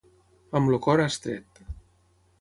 Amb el cor estret.